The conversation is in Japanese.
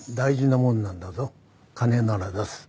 金なら出す。